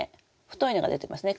太いのが出てますね。